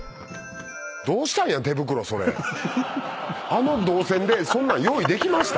あの動線でそんなん用意できました？